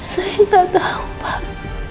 saya gak tau pak